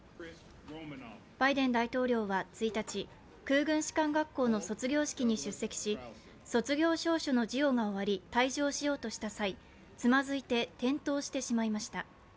バイデン大統領は１日、空軍士官学校の卒業式に出席し、卒業証書の授与が終わり、退場しようとした際、つまずいて転倒してしまいました。